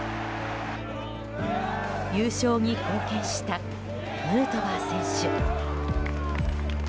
優勝に貢献したヌートバー選手。